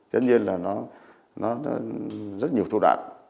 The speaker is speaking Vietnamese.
tất nhiên là nó rất nhiều thu đoạn